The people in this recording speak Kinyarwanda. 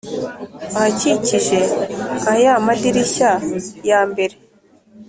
ahakikije nka ya madirishya ya mbere